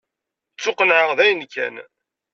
Ttuqennɛeɣ dayen kan.